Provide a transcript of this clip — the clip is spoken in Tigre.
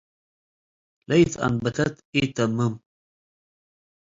ለኢትአንበተት ኢትተምም።